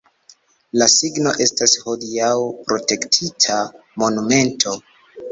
La signo estas hodiaŭ protektita monumento.